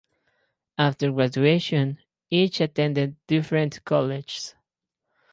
After graduation, each attended different colleges.